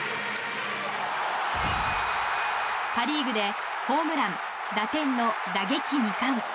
パ・リーグでホームラン打点の打撃２冠。